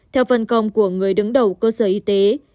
theo phân công của người đứng đầu cơ sở y tế